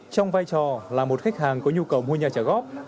trong vai trò là một khách hàng có nhu cầu mua nhà trả góp